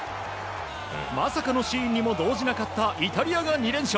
まさかのシーンにも動じなかったイタリアが２連勝。